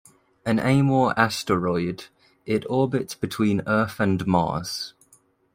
An Amor asteroid, it orbits between Earth and Mars.